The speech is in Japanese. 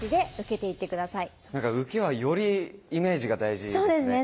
受けはよりイメージが大事なんですね。